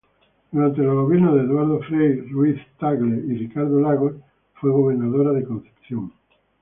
Durante los gobiernos de Eduardo Frei Ruiz-Tagle y Ricardo Lagos fue gobernadora de Concepción.